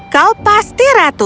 kau pasti ratu